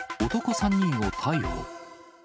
男３人を逮捕。